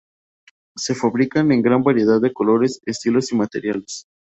Se fabrican en gran variedad de colores, estilos y materiales.